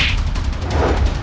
kedai yang menangis